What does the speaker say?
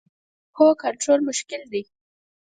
هو، کنټرول مشکل دی